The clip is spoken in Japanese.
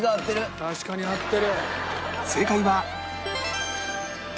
確かに合ってる！